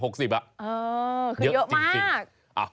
เออคือเยอะมาก